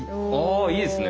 いいですね。